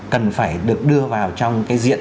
cần phải được đưa vào trong cái diện